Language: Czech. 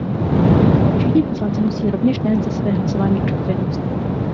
Všichni poslanci musí rovněž nést za své hlasování odpovědnost.